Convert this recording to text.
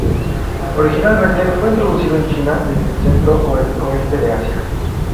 Originalmente fue introducido en China desde el centro o el oeste de Asia.